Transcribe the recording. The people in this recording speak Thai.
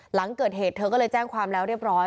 หลังเกิดเหตุเธอก็เลยแจ้งความแล้วเรียบร้อย